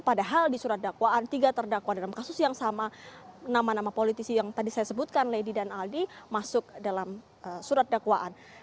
padahal di surat dakwaan tiga terdakwa dalam kasus yang sama nama nama politisi yang tadi saya sebutkan lady dan aldi masuk dalam surat dakwaan